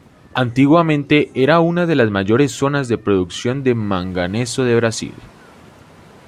Antiguamente era una de las mayores zona de producción de manganeso de Brasil.